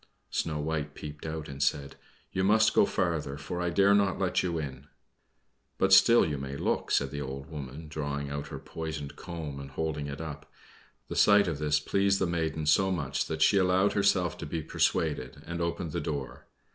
Snow White peeped out and said, "You must go farther, for I dare not let you in." "But still you may look," said the old woman, drawing out her poisoned comb and holding it up. The sight of this pleased the maiden so much that she allowed herself to be persuaded, and opened the door.